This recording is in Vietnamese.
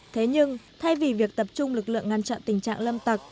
thế nhưng thay vì việc tập trung lực lượng ngăn chặn tình trạng lâm tặc